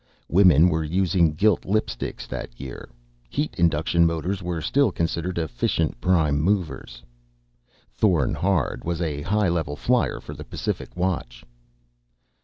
Women were using gilt lipsticks that year. Heat induction motors were still considered efficient prime movers. Thorn Hard was a high level flier for the Pacific Watch.